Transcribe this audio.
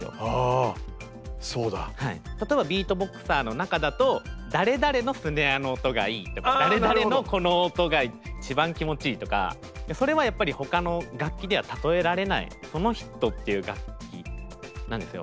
例えばビートボクサーの中だと誰々のスネアの音がいいとか誰々のこの音が一番気持ちいいとかそれはやっぱりほかの楽器では例えられないその人っていう楽器なんですよ。